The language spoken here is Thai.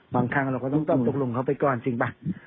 บางครั้งเราก็ต้องตอบตกลงเขาไปก่อนจริงป่ะ